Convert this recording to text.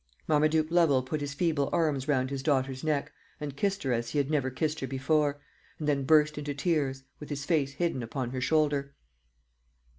Marmaduke Lovel put his feeble arms round his daughter's neck, and kissed her as he had never kissed her before; and then burst into tears, with his face hidden upon her shoulder.